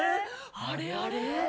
あれあれ。